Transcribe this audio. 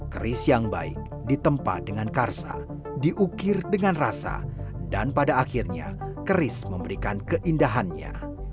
keris yang baik ditempa dengan karsa diukir dengan rasa dan pada akhirnya keris memberikan keindahannya